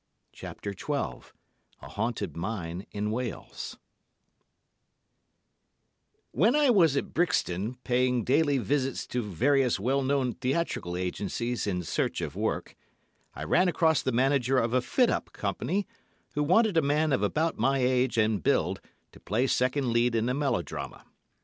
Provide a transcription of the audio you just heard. CHAPTER XII A HAUNTED MINE IN WALES While I was at Brixton, paying daily visits to various well known theatrical agencies in search of work, I ran across the manager of a fit up company, who wanted a man of about my age and build to play second lead in a melodrama.